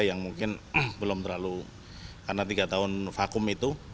yang mungkin belum terlalu karena tiga tahun vakum itu